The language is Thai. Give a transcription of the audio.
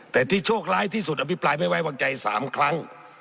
แต่ที่โชคร้ายที่สุดอภิปรายไม่ไว้วางใจ๓ครั้ง